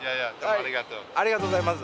ありがとうございます。